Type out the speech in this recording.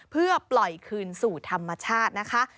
เพื่อปล่อยคืนสู่ธรรมชาตินะคะ